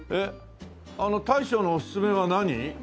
あの大将のおすすめは何？